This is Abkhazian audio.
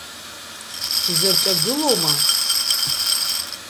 Узырҿагылома?